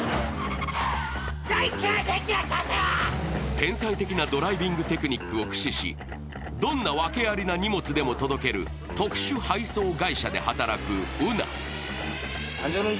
天才的なドライビングテクニックを駆使しどんなワケありな荷物でも届ける特殊配送会社で働くウナ。